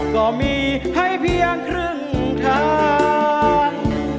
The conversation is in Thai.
ก็มีให้เพียงครึ่งทาง